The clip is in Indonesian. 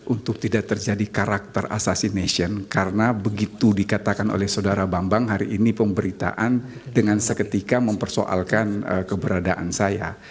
untuk tidak terjadi karakter asasination karena begitu dikatakan oleh saudara bambang hari ini pemberitaan dengan seketika mempersoalkan keberadaan saya